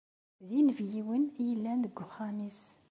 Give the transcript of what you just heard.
D inebgiwen i yellan deg uxxam-is.